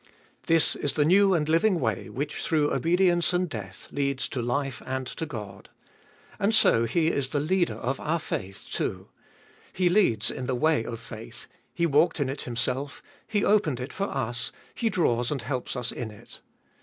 This is the new and living way which, through obedience and death, leads to life and to God. And so He is the Leader of our faith, too. He leads in the way of faith, He walked in it Himself, He opened it for us, He draws and helps us in it.